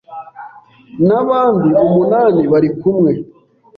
n’abandi umunani bari kumwe